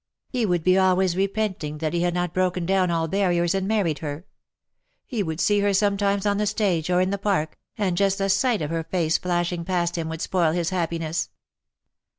He would be always repenting that he had not broken down all barriers and married her. He would see her sometimes on the stage, or in the Park, and just the sight of her face flashing past him would spoil his happiness.